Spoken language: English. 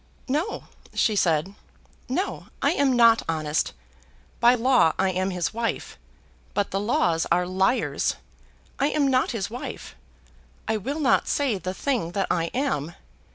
"No," she said, "no; I am not honest. By law I am his wife; but the laws are liars! I am not his wife. I will not say the thing that I am.